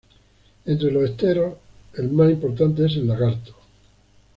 Entre los esteros, el más importante es el Lagarto.